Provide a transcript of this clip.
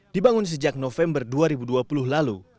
dibangun sejak november dua ribu dua puluh lalu